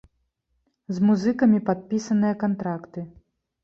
З музыкамі падпісаныя кантракты.